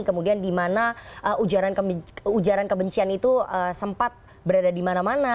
kemudian di mana ujaran kebencian itu sempat berada di mana mana